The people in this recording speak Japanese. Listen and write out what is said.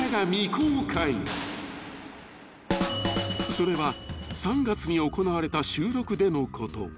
［それは３月に行われた収録でのこと］